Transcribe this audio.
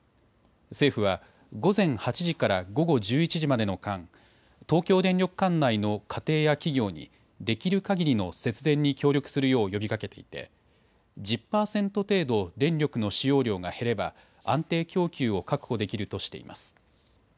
政府は午前８時から午後１１時までの間、東京電力管内の家庭や企業にできるかぎりの節電に協力するよう呼びかけていて１０％程度、電力の使用量が減れば安定供給を確保できるとしています。